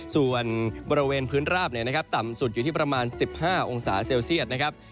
ส่วนบริเวณพื้นราบต่ำสุดอยู่ที่ประมาณ๑๕องศาเซลเซียตนะครับ